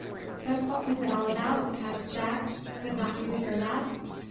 "But what was it all about?" asked Jack; "could not you hear that?"